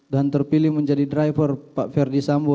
dan terpilih menjadi driver pak ferdi sambo